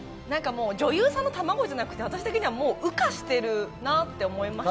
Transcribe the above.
女優さんの卵じゃなくて私的にはもう羽化してるなって思います。